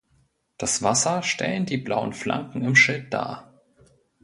Das Wasser stellen die blauen Flanken im Schild dar.